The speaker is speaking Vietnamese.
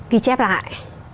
ghi chép lại